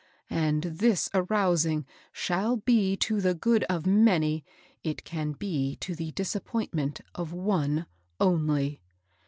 — and this arousing shall be to the good of many. It can be to the disappointment of one only."